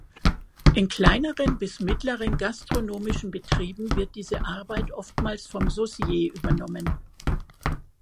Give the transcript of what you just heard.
In kleineren bis mittleren gastronomischen Betrieben wird diese Arbeit oftmals vom Saucier übernommen.